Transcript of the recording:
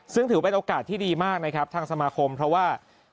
ซึ่งถือเป็นโอกาสที่ดีมากนะครับทางสมาคมเพราะว่า